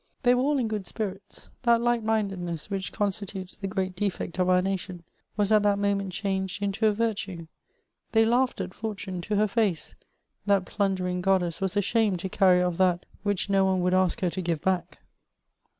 They were all in good spirits : that light minded ness, which constitutes the great defect of our nation, was at that moment changed into a virtue. They laughed at Fortune to her face ; that plundering goddess was ashamed to carry off that which no one would ask her to give back.